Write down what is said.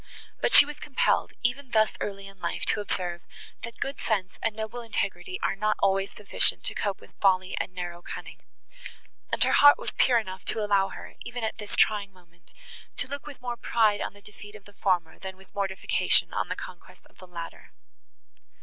But she was compelled, even thus early in life, to observe, that good sense and noble integrity are not always sufficient to cope with folly and narrow cunning; and her heart was pure enough to allow her, even at this trying moment, to look with more pride on the defeat of the former, than with mortification on the conquests of the latter.